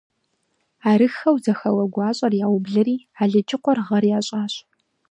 Арыххэу зэхэуэ гуащӏэр яублэри, Алыджыкъуэр гъэр ящӏащ.